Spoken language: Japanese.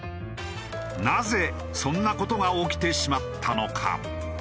なぜそんな事が起きてしまったのか？